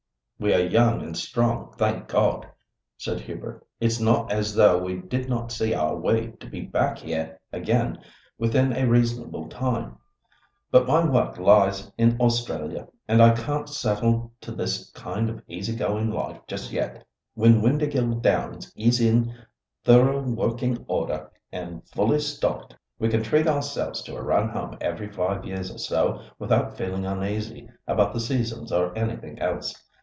"We are young and strong, thank God," said Hubert; "it's not as though we did not see our way to be back here again within a reasonable time. But my work lies in Australia, and I can't settle to this kind of easy going life just yet. When Windāhgil Downs is in thorough working order and fully stocked, we can treat ourselves to a run home every five years or so without feeling uneasy about the seasons or anything else.